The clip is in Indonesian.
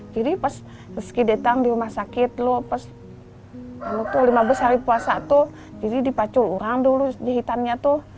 jadi pas rizky datang di rumah sakit lima belas hari puasa tuh jadi dipacul orang dulu jahitannya tuh